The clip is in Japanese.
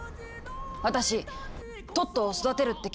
⁉私トットを育てるって決めた。